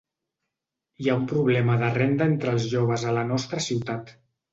Hi ha un problema de renda entre els joves a la nostra ciutat.